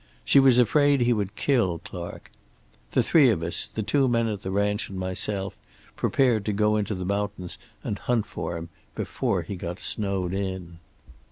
She was afraid he would kill Clark. The three of us, the two men at the ranch and myself, prepared to go into the mountains and hunt for him, before he got snowed in.